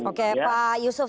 oke pak yusuf